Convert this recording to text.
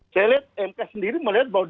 saya lihat mk sendiri melihat bahwa